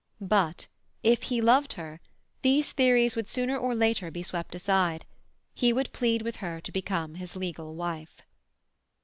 But, if he loved her, these theories would sooner or later be swept aside; he would plead with her to become his legal wife.